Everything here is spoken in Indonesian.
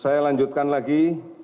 saya lanjutkan lagi